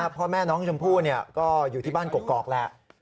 พ่อแม่น้องชมพู่ก็อยู่ที่บ้านกอกแหละ